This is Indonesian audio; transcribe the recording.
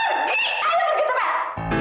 pergi ayo pergi sama